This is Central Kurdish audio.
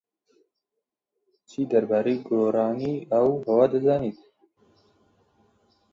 چی دەربارەی گۆڕانی ئاووهەوا دەزانیت؟